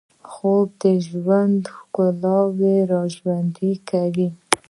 خوب د ژوند ښکلاوې راژوندۍ کوي